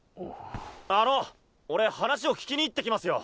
あの俺話を聞きにいってきますよ。